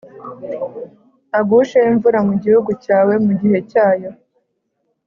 agushe imvura mu gihugu cyawe mu gihe cyayo,